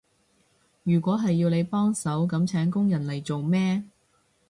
如果係要你幫手，噉請工人嚟做咩？